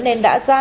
nên đã ra